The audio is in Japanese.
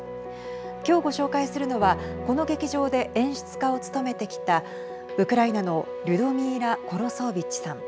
今日ご紹介するのはこの劇場で演出家を務めてきたウクライナのリュドミーラ・コロソービッチさん。